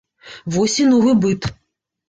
Вось і новы быт!